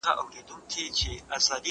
زه به سبا سبزیحات تيار کړم؟!